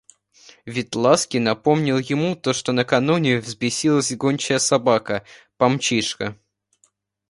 Вид Ласки напомнил ему то, что накануне взбесилась гончая собака, Помчишка.